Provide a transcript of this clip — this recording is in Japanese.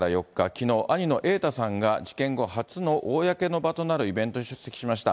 きのう、兄の瑛太さんが、事件後初の公の場となるイベントに出席しました。